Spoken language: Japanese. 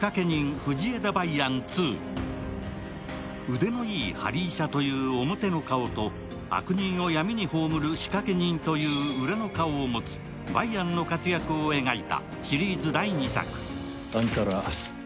腕のいいはり医者という表の顔と悪人を闇に葬る仕掛け人という裏の顔を持つ梅安の活躍を描いたシリーズ第２作。